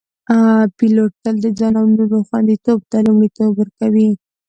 پیلوټ تل د ځان او نورو خوندیتوب ته لومړیتوب ورکوي.